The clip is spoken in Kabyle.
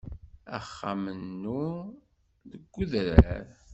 Axxam-nnun deg udrar.